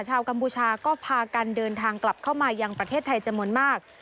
กัมพูชาก็พากันเดินทางกลับเข้ามายังประเทศไทยจำนวนมาก